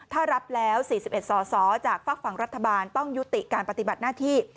ถ้ารับแล้ว๔๑สอสอจากฝากฝั่งรัฐบาลต้องยุติการปฏิบัติหน้าที่